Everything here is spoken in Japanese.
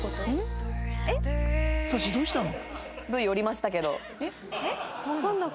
さっしーどうしたの？